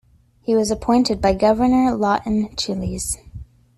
He was appointed by Governor Lawton Chiles.